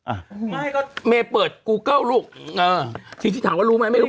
อ่ะไม่ก็เมย์เปิดกูเกิ้ลลูกเออทีที่ถามว่ารู้ไหมไม่รู้